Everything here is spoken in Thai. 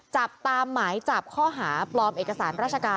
จับตามหมายจับข้อหาปลอมเอกสารราชการ